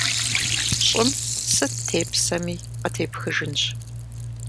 Щӏым сыт тепсэми, къытепхыжынщ.